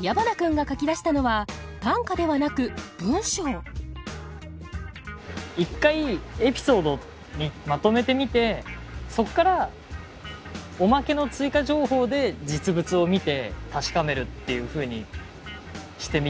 矢花君が書き出したのは短歌ではなく文章１回エピソードにまとめてみてそっからおまけの追加情報で実物を見て確かめるっていうふうにしてみようかなと。